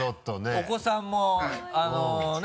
お子さんもね